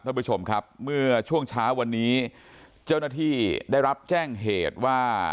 ท่านผู้ชมครับเมื่อช่วงเช้าวันนี้เจ้าหน้าที่ได้รับแจ้งเหตุว่า